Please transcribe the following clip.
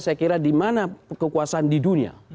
saya kira dimana kekuasaan di dunia